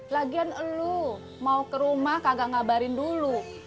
lagian lu mau ke rumah kagak ngabarin dulu